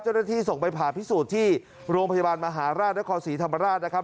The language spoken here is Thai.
เจ้าหน้าที่ส่งไปผ่าพิสูจน์ที่โรงพยาบาลมหาราชนครศรีธรรมราชนะครับ